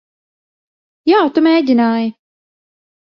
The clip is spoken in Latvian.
Jā, tu mēģināji.